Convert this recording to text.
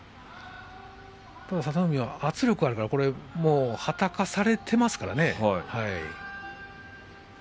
佐田の海は圧力があるんではたかされていますよね。